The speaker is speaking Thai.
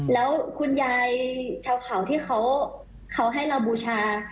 แล้วคุณยายชาวข่าวที่เขาเราให้บูชา